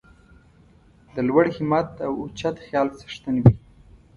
د لوړ همت او اوچت خیال څښتن وي.